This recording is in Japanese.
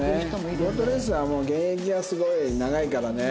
ボートレースはもう現役がすごい長いからね。